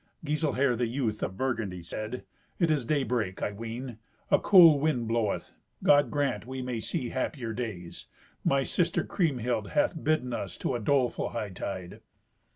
Giselher, the youth, of Burgundy, said, "It is daybreak, I ween. A cool wind bloweth. God grant we may see happier days. My sister Kriemhild hath bidden us to a doleful hightide."